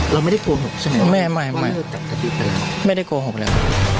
เราไม่ได้โกหกใช่ไหมไม่ไม่ไม่ได้โกหกเลย